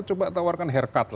coba tawarkan haircut